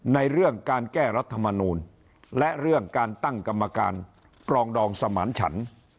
ในเรื่องการแก้รัฐมนูลและเรื่องการตั้งกรรมการปรองดองสมานฉัน